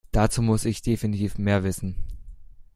Dazu muss ich definitiv mehr wissen.